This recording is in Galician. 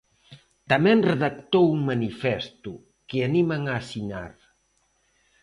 Tamén redactou un manifesto, que animan a asinar.